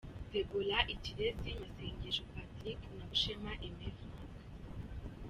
Deborha Ikirezi Masengesho Patrick na Bushema Aime Frank .